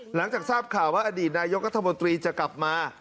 หลังจากทราบข่าวว่าอดีตนายกรัฐมนตรีจะกลับมา